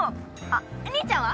あっ兄ちゃんは？